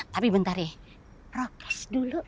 tapi bentar ya rokes dulu